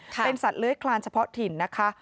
เป็นสัตว์เลื้อยคลานเฉพาะถิ่นนะคะ